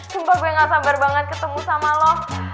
sumpah gue gak sabar banget ketemu sama lo